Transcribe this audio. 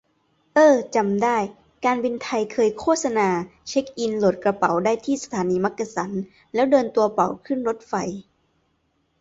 เอ้อจำได้ การบินไทยเคยโฆษณา เช็กอิน โหลดกระเป๋าได้ที่สถานีมักกะสัน แล้วเดินตัวเปล่าขึ้นรถไฟ